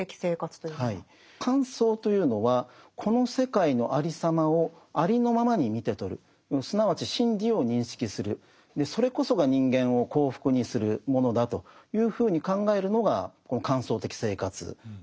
観想というのはこの世界のありさまをありのままに見て取るすなわち真理を認識するそれこそが人間を幸福にするものだというふうに考えるのがこの観想的生活なんですね。